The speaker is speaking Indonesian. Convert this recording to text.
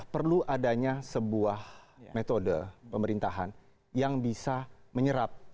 perlu adanya sebuah metode pemerintahan yang bisa menyerap